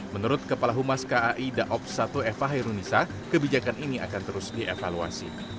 menurut kepala humas kai daob satu eva hairunisa kebijakan ini akan terus dievaluasi